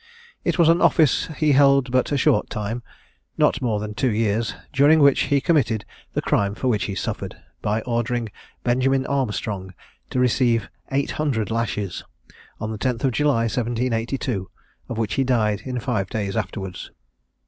It was an office he held but a short time not more than two years; during which he committed the crime for which he suffered, by ordering Benjamin Armstrong to receive eight hundred lashes, on the 10th of July, 1782, of which he died in five days afterwards.